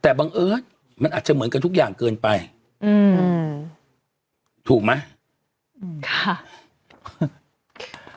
แต่บังเอิญมันอาจจะเหมือนกันทุกอย่างเกินไปอืมถูกไหมอืมค่ะ